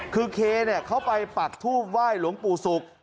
คือเคเข้าไปปักถูบว่ายหลวงปู่สุก